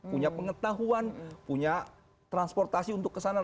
punya pengetahuan punya transportasi untuk ke sana